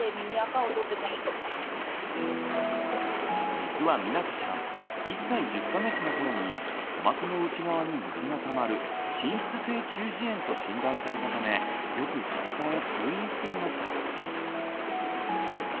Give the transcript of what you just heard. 実はみなとちゃん１歳１０か月の頃に鼓膜の内側に水がたまる「滲出性中耳炎」と診断されたためよく耳鼻科へ通院していました。